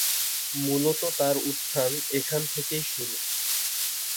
মূলত তার উত্থান এখান থেকেই শুরু।